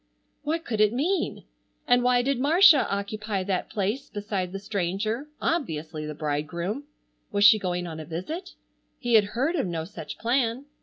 What could it mean? And why did Marcia occupy that place beside the stranger, obviously the bridegroom? Was she going on a visit? He had heard of no such plan.